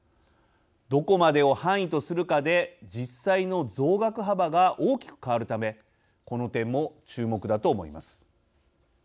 どこまでを範囲とするかで実際の増額幅が大きく変わるためこの点も注目だと思います。